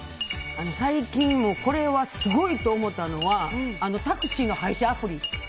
最近、これはすごいと思ったのはタクシーの配車アプリ。